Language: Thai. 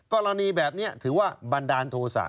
กรณีแบบนี้ถือว่าบันดาลโทษะ